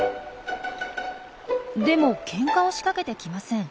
でもケンカを仕掛けてきません。